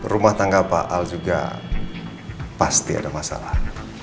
rumah tangga pak al juga pasti ada masalah